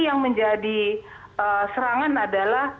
yang menjadi serangan adalah